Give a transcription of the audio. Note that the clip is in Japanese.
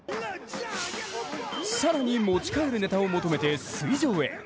更に持ち帰るネタを求めて水上へ。